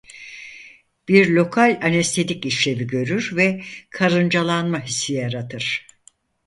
Bir lokal anestetik işlevi görür ve karıncalanma hissi yaratır.